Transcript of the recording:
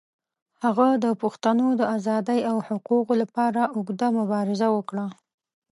هغه د پښتنو د آزادۍ او حقوقو لپاره اوږده مبارزه وکړه.